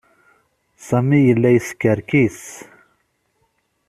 Sami yella yeskerkis.